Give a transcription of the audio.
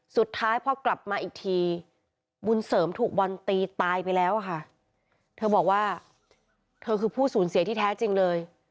สุดท้ายพอกลับมาอีกทีบุญเสริมถูกบอลตีตายไปแล้วค่ะเธอบอกว่าเธอคือผู้สูญเสียที่แท้จริงเลย